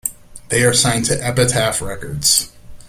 They are signed to Epitaph Records.